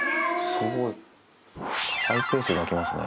すごい、ハイペースで鳴きますね。